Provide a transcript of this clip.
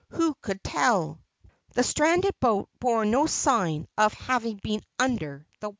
Who could tell? The stranded boat bore no sign of having been under water.